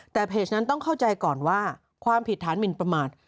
แต่เพจนั้นต้องเข้าใจก่อนว่าความผิดฐานหมินประมาท